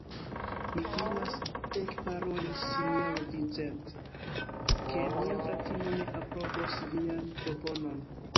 Mi timas, ekparolis sinjoro Vincent, ke mia fratino ne aprobos vian proponon.